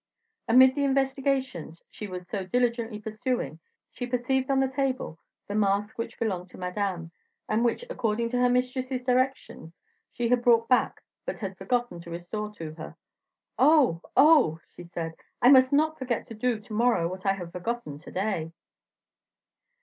Amid the investigations she was so diligently pursuing she perceived on the table the mask which belonged to Madame, and which, according to her mistress's directions, she had brought back but had forgotten to restore to her. "Oh, oh!" she said, "I must not forget to do to morrow what I have forgotten to day."